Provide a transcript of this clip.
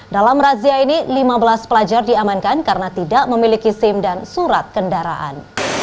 dalam razia ini lima belas pelajar diamankan karena tidak memiliki sim dan surat kendaraan